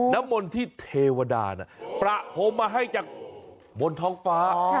น้ำมนต์ที่เทวดาน่ะประพรมมาให้จากบนท้องฟ้า